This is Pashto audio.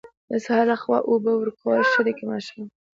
د سهار لخوا اوبه ورکول ښه دي که ماښام؟